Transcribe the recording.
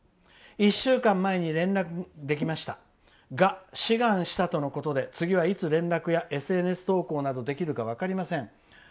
１週間前に連絡できましたが志願したとのことで次はいつ連絡やＳＮＳ投稿などできるか分かりません」。